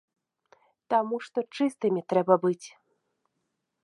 Таму што чыстымі трэба быць!